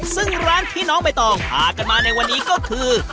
ซึ่งร้านที่น้องใบตองพากันมาในวันนี้ก็คือ